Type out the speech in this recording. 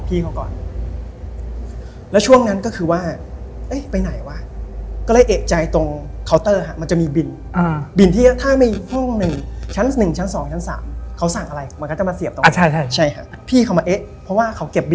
พี่ผู้จักรการแกก็เปิดประตูเข้าไป